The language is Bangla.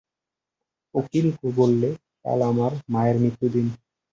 অখিল বললে, কাল আমার মায়ের মৃত্যুদিন।